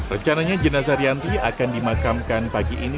rencananya jenazah rianti akan dimakamkan pagi ini